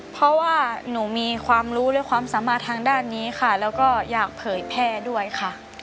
เพราะว่าหนูมีความรู้และความสามารถทางด้านนี้ค่ะแล้วก็อยากเผยแพร่ด้วยค่ะ